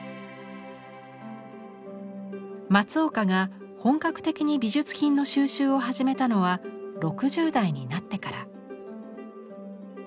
松岡が本格的に美術品の収集を始めたのは６０代になってから。